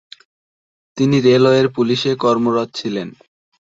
তিনি রেলওয়ের পুলিশে কর্মরত ছিলেন।